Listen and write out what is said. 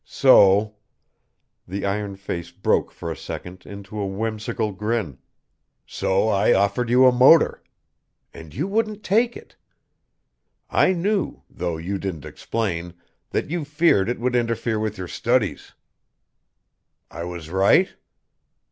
So" the iron face broke for a second into a whimsical grin "so I offered you a motor. And you wouldn't take it. I knew, though you didn't explain, that you feared it would interfere with your studies. I was right?"